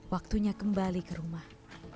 waktunya kembali ke rumah